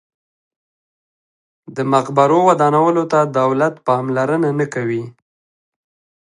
د مقبرو ودانولو ته دولت پاملرنه نه کوي.